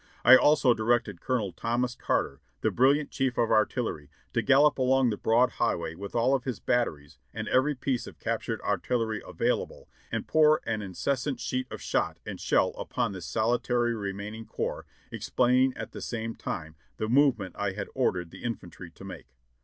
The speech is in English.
I also directed Colonel Thomas Carter, the brilliant chief of artillery, to gallop along the broad highway with all of his bat teries and every piece of captured artillery available and pour an incessant sheet of shot and shell upon this solitary remaining corps, explaining at the same time the movement I had ordered the infantry to make.